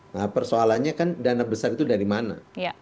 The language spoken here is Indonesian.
nah persoalannya kan dana besar itu dari mana